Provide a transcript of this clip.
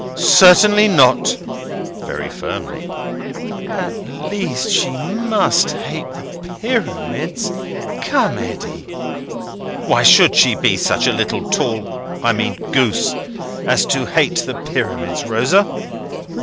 "Certainly not." Very firmly. "At least she must hate the Pyramids? Come, Eddy?" "Why should she be such a little—tall, I mean—goose, as to hate the Pyramids, Rosa?"